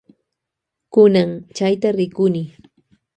Kunan chayta rikuni.